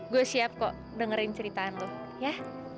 gue siap kok dengerin ceritaan lo ya